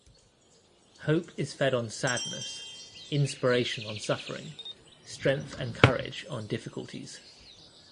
Hope is fed on sadness; inspiration on suffering; strength and courage on difficulties.